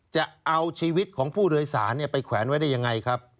จะเอาชีวิตของผู้โดยสารไปแขวนไว้ได้ยังไงครับ